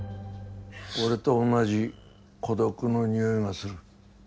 俺と同じ孤独の匂いがする。